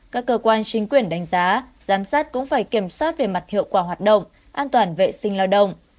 các cơ quan chính quyền đánh giá giám sát cũng phải kiểm soát về mặt hiệu quả hoạt động an toàn vệ sinh lao động